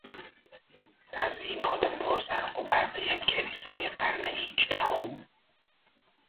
تزیینات پر زرق و برق یک کلیسای قرن هیجدهم